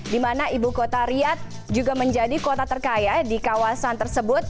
di mana ibu kota riyad juga menjadi kota terkaya di kawasan tersebut